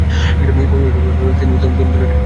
ঐ মৌসুমেই তিনি দলের ব্যাটিং গড়ে শীর্ষস্থান লাভ করেন।